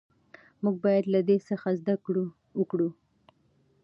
موږ باید له ده څخه زده کړه وکړو.